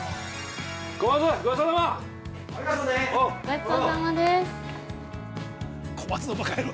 ごちそうさまです。